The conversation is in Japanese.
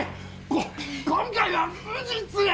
こ今回は無実や！